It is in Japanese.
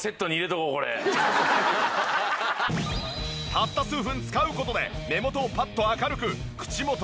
たった数分使う事で目元をパッと明るく口元をウルツヤに。